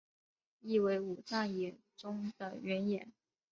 意为武藏野中的原野。